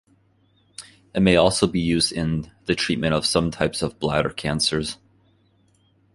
It may also be used in the treatment of some types of bladder cancers.